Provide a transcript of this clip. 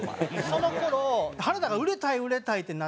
その頃原田が売れたい売れたいってなってて。